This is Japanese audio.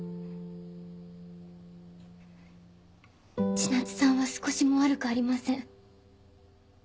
千夏さんは少しも悪くありません。